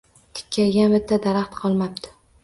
Tikkaygan bitta daraxt qolmabdi.